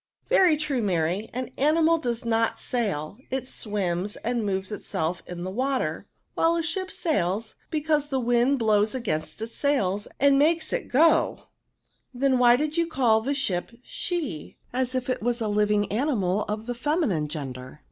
Very true, Mary, an animal does not sail ; it swims and moves itself in the water ; while a ship sails, because the vdnd blows 4igainst its sails, and makes it go on.'* " Then, why did you call the ship she, as if it was a living animal of the feminine gen der?"